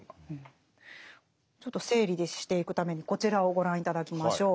ちょっと整理していくためにこちらをご覧頂きましょう。